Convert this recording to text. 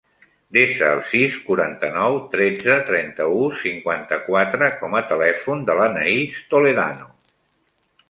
Desa el sis, quaranta-nou, tretze, trenta-u, cinquanta-quatre com a telèfon de l'Anaïs Toledano.